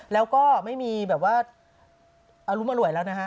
แล้วก็ไม่มีแบบว่าอรุณมารวยแล้ว